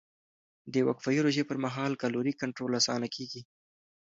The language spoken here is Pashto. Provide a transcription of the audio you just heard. د وقفهيي روژې پر مهال کالوري کنټرول اسانه کېږي.